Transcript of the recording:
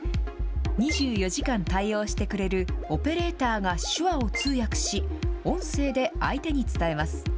２４時間対応してくれるオペレーターが手話を通訳し、音声で相手に伝えます。